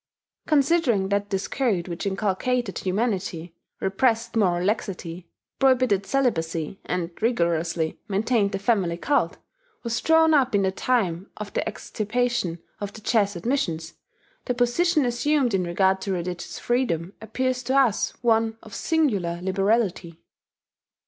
Considering that this code which inculcated humanity, repressed moral laxity, prohibited celibacy, and rigorously maintained the family cult, was drawn up in the time of the extirpation of the Jesuit missions, the position assumed in regard to religious freedom appears to us one of singular liberality.